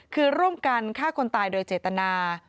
คือร่วมกันฆ่าคนตายโดยเจตนา